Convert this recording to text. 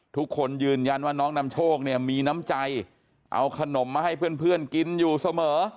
ทุกคนยืนยันว่าน้องนำโชคเนี่ยมีน้ำใจเอาขนมมาให้เพื่อนกินอยู่เสมอ